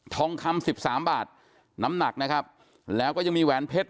ทองคำสิบสามบาทน้ำหนักนะครับแล้วก็ยังมีแหวนเพชร